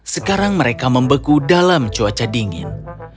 sekarang mereka membeku dalam cuaca dingin